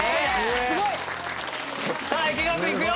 さあ池川君いくよ。